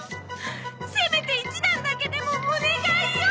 せめて一段だけでもお願いよ。